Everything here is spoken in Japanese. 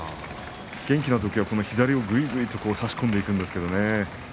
元気な時はこの左をぐいぐいと差し込んでいくんですけれどもね。